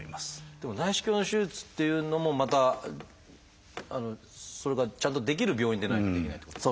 でも内視鏡の手術っていうのもまたそれがちゃんとできる病院でないとできないってことですよね。